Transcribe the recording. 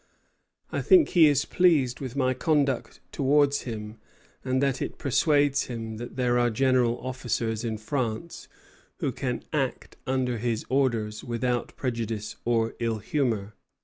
"I think that he is pleased with my conduct towards him, and that it persuades him there are general officers in France who can act under his orders without prejudice or ill humor."